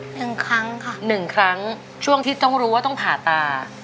หนึ่งครั้งค่ะหนึ่งครั้งช่วงที่ต้องรู้ว่าต้องผ่าตา